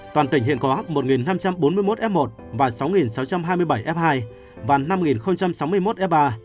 toàn tỉnh hiện có một năm trăm bốn mươi một f một và sáu sáu trăm hai mươi bảy f hai và năm sáu mươi một f ba